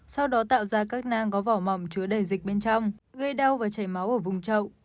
sau đó tạo ra các nang có vỏ mầm chứa đầy dịch bên trong gây đau và chảy máu ở vùng trậu